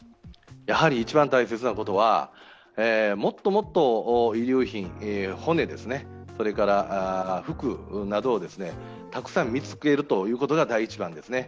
一番大切なことは、もっともっと遺留品、骨ですね、それから服などをたくさん見つけるということが第一番ですね。